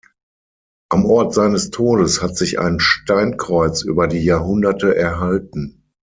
Am Ort seines Todes hat sich ein Steinkreuz über die Jahrhunderte erhalten.